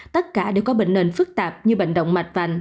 tất cả đều có bệnh nền phức tạp như bệnh động mạch vành